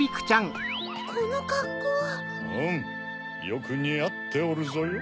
よくにあっておるぞよ。